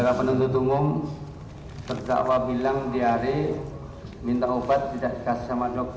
secara penentu tunggung terdakwa bilang diare minta obat tidak dikasih sama dokter